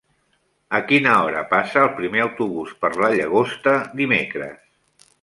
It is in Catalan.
A quina hora passa el primer autobús per la Llagosta dimecres?